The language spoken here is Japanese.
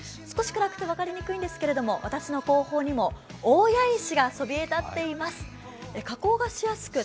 少し暗くて分かりにくいんですけれども私の広報にも大谷石がそびえ立っています。